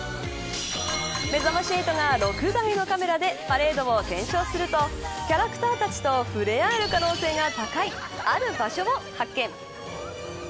めざまし８が６台のカメラでパレードを検証するとキャラクターたちと触れ合える可能性が高いある場所を発見。